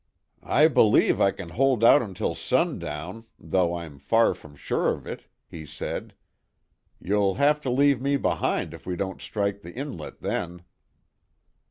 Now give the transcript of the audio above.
"I believe I can hold out until sundown, though I'm far from sure of it," he said. "You'll have to leave me behind if we don't strike the inlet then."